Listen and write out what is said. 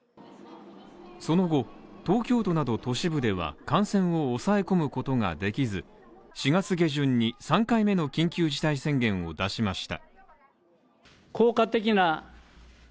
その後、東京都など都市部では、感染を抑え込むことができず、４月下旬に３回目の緊急事態宣言を出しました。